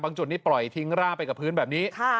จุดนี้ปล่อยทิ้งร่าไปกับพื้นแบบนี้